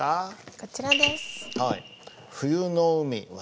こちらです。